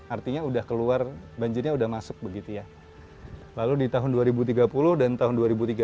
artinya udah keluar banjirnya udah masuk begitu ya lalu di tahun dua ribu tiga puluh dan tahun